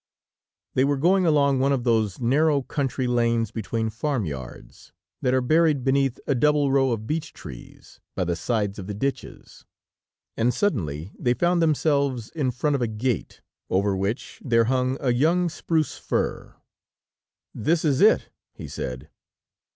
They were going along one of those narrow country lanes between farmyards, that are buried beneath a double row of beech trees, by the sides of the ditches, and suddenly they found themselves in front of a gate, over which there hung a young spruce fir. "This is it," he said.